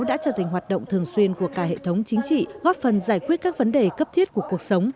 đã trở thành hoạt động thường xuyên của cả hệ thống chính trị góp phần giải quyết các vấn đề cấp thiết của cuộc sống